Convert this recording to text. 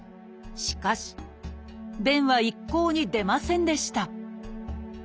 しかし便は一向に出ませんでした